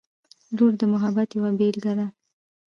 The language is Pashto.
• لور د محبت یوه بېلګه ده.